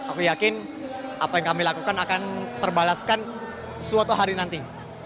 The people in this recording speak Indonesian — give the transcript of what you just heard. aku yakin apa yang kami lakukan akan terbalaskan suatu hari nanti